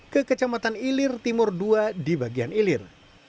ke kecamatan ilir timur dua di bagian ilir